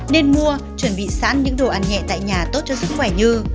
nên mua chuẩn bị sẵn những đồ ăn nhẹ tại nhà tốt cho sức khỏe như